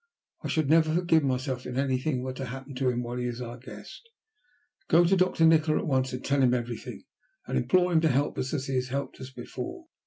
I should never forgive myself if anything were to happen to him while he is our guest. Go to Doctor Nikola at once and tell him everything, and implore him to help us as he has helped us before."